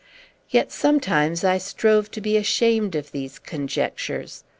Yet sometimes I strove to be ashamed of these conjectures.